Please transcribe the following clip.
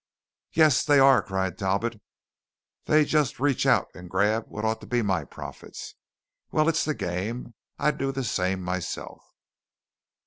"Yes, they are!" cried Talbot; "they just reach out and grab what ought to be my profits! Well, it's the game. I'd do the same myself."